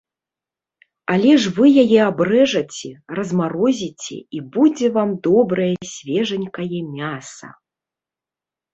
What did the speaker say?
Але ж вы яе абрэжаце, размарозіце і будзе вам добрае свежанькае мяса!